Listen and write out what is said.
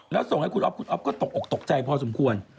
แล้วส่งให้คุณอ๊อฟคุณอ๊อฟก็ตกออกตกใจพอสมควร